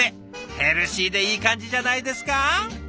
ヘルシーでいい感じじゃないですか！